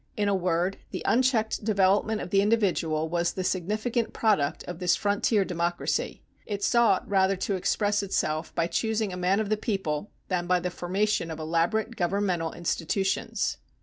In a word, the unchecked development of the individual was the significant product of this frontier democracy. It sought rather to express itself by choosing a man of the people, than by the formation of elaborate governmental institutions.